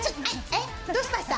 えっ、どうしました？